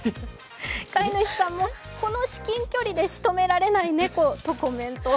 飼い主さんもこの至近距離でしとめられない猫とコメント。